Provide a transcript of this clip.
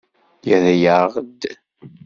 Yerra-aɣ-d.